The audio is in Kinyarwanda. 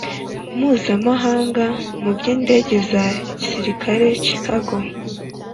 mpuzamahanga mu by indege za gisivili Chicago